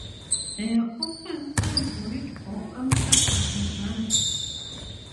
They are often served with or after a dessert.